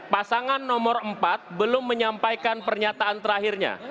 pasangan nomor empat belum menyampaikan pernyataan terakhirnya